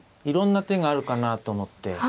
いろんな手があるかなと思って。